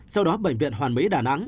sau đó bệnh viện hoàn mỹ đà nẵng